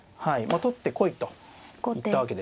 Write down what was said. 取ってこいと言ったわけです。